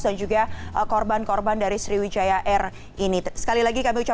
dan juga korporasi